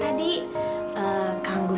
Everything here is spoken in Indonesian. kamu ingin bertemu apa